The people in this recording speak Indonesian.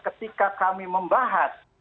ketika kami membahas